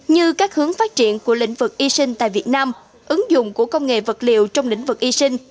như các hướng phát triển của lĩnh vực y sinh tại việt nam ứng dụng của công nghệ vật liệu trong lĩnh vực y sinh